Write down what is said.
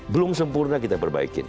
belum sempurna kita perbaiki